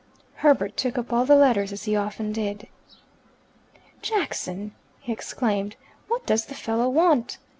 Herbert took up all the letters, as he often did. "Jackson?" he exclaimed. "What does the fellow want?"